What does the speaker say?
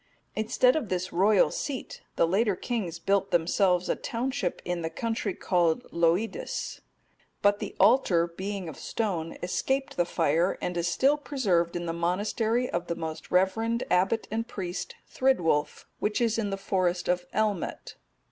Instead of this royal seat the later kings built themselves a township in the country called Loidis.(243) But the altar, being of stone, escaped the fire and is still preserved in the monastery of the most reverend abbot and priest, Thrydwulf, which is in the forest of Elmet.